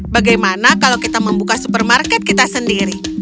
bagaimana kalau kita membuka supermarket kita sendiri